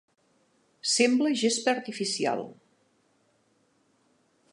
Sembla gespa artificial.